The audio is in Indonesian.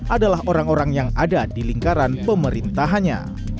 adalah orang orang yang ada di lingkaran pemerintahannya